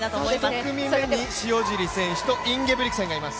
１組目に塩尻選手とインゲブリクセン選手がいます。